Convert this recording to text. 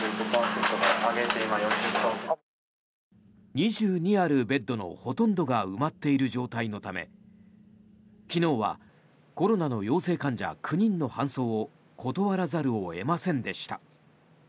２２あるベッドのほとんどが埋まっている状態のため昨日はコロナの陽性患者９人の搬送を断らざるを得ませんでした。